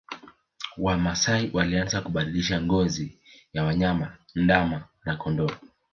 Wamasai walianza kubadilisha ngozi ya wanyama ndama na kondoo